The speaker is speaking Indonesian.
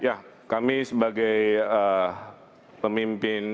ya kami sebagai pemimpin